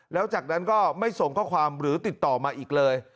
แล้วจากนั้นก็ไม่ส่งข้อความหรือติดต่อมาอีกเลย